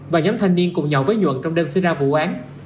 và nhóm thanh niên cùng nhậu với nhuận trong đêm xảy ra vụ án